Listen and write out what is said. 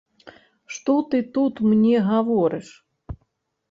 Што ты тут мне гаворыш!